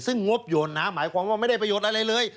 ซึ่งงบหย่นนะหมายความว่าไม่ได้ประโยชน์อะไรเลย